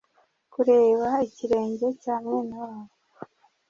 Kureba ikirenge cya mwene wabo